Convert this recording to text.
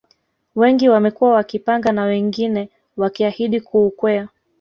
Wengi wamekuwa wakipanga na wengine wakiahidi kuukwea